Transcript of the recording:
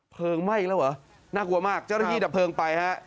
ไหม้อีกแล้วเหรอน่ากลัวมากเจ้าหน้าที่ดับเพลิงไปฮะ